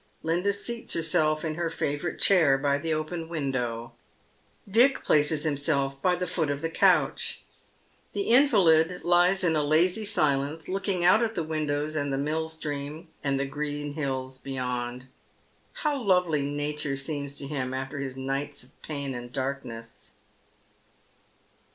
Linda seats herself in her favourite chair by the open window. Dick places himself by the foot of the couch. The invalid lies in a lazy silence, looking out at tlie willows and the mill stream, and the green hills beyond. Plow lovely nature seems to him after his nights of pain and darkness